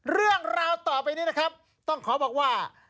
เรื่องราวต่อไปนี้นะครับต้องขอบอกว่า